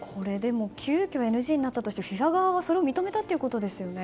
急きょＮＧになったとしてＦＩＦＡはそれを認めたということですよね。